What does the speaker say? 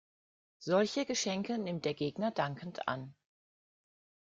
Solche Geschenke nimmt der Gegner dankend an.